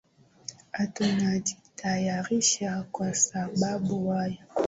aa tunajitayarisha kwa sababu aa